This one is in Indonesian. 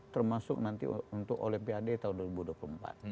termasuk nanti untuk olimpiade tahun dua ribu dua puluh empat